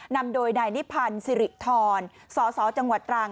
นำโดยนายนิพันธ์สิริธรสสจังหวัดตรัง